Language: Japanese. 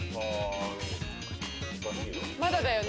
まだだよね？